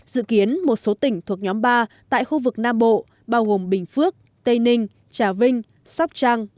dự kiến một số tỉnh thuộc nhóm ba tại khu vực nam bộ bao gồm bình phước tây ninh trà vinh sóc trăng